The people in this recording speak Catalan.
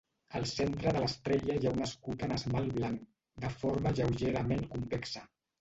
Al centre de l'estrella hi ha un escut en esmalt blanc, de forma lleugerament convexa.